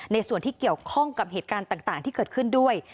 ส่วนที่เกี่ยวข้องกับเหตุการณ์ต่างที่เกิดขึ้นด้วย